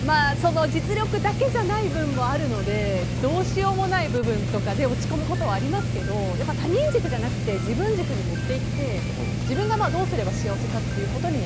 実力だけじゃない分もあるのでどうしようもない部分とかで落ち込むことはありますけどやっぱり他人軸じゃなくて自分軸に持っていって自分がどうすれば幸せかってことに。